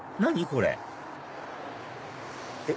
これえっ？